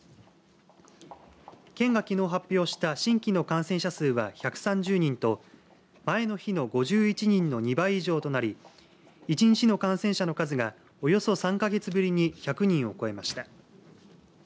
県がきのう発表した新規の感染者数は１３０人と前の日の５１人の２倍以上となり１日の感染者の数がおよそ３か月ぶりに１００人を超えました。